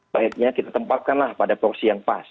baiknya kita tempatkanlah pada porsi yang pas